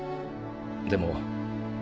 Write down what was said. でも。